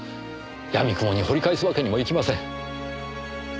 やみくもに掘り返すわけにもいきません。